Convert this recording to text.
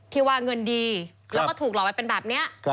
ที่ว่าเงินดีแล้วก็ถูกหลอกไว้เป็นแบบนี้